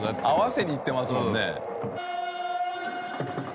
合わせにいってますもんね。